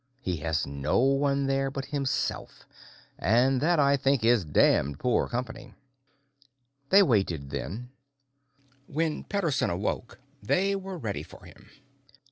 He has no one there but himself and that, I think, is damned poor company." They waited then. When Pederson awoke, they were ready for him.